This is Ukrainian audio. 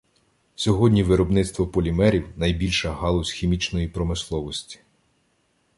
Сьогодні виробництво полімерів найбільша галузь хімічної промисловості.